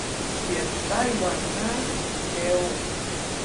เหรียญไต้หวันนะ เดล